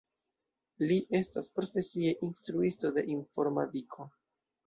Li estas profesie instruisto de informadiko.